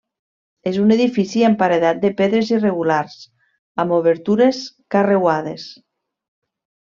És un edifici amb paredat de pedres irregulars, amb obertures carreuades.